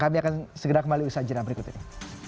kami akan segera kembali bersajaran berikut ini